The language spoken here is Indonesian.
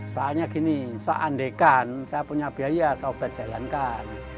soalnya gini seandaikan saya punya biaya saya obat jalankan